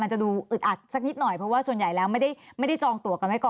จะดูอึดอัดสักนิดหน่อยเพราะว่าส่วนใหญ่แล้วไม่ได้จองตัวกันไว้ก่อน